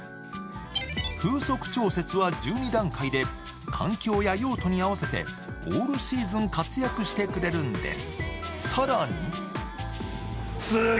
風速調節は１２段階で、環境や用途に合わせてオールシーズン活躍してくれるんです。